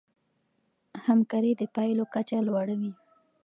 همکاري د پايلو کچه لوړوي.